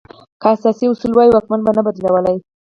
که اساسي اصول وای، واکمن به نه بدلولای.